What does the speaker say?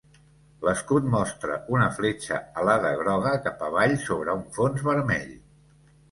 L'escut mostra una fletxa alada groga cap avall sobre un fons vermell.